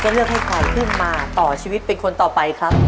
เลือกให้ใครขึ้นมาต่อชีวิตเป็นคนต่อไปครับ